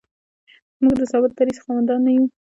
موږ د ثابت دریځ خاوندان نه یو.